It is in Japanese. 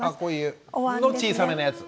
あこういうの小さめなやつ。